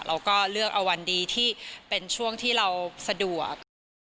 เราก็เลือกเอาวันดีที่เป็นช่วงที่เราสะดวก